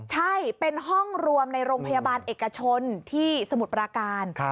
ใช่เป็นห้องรวมในโรงพยาบาลเอกชนที่สมุทรปราการ